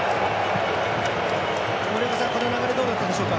森岡さん、この流れどうだったでしょうか？